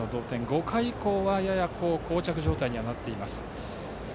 ５回以降はやや、こう着状態になっています。